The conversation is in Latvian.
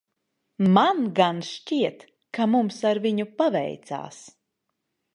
Man gan šķiet, ka mums ar viņu paveicās.